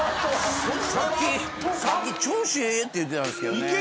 さっき調子ええって言ってたんですけどね。